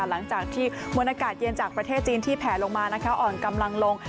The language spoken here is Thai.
หลังจากที่มวลอากาศเย็นจากประเทศจีนที่แผลลงมาอ่อนกำลังลง